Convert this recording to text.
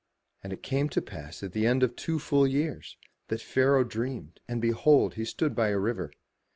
And it came to pass at the end of two full years, that Pharaoh dreamed and behold he stood by the river.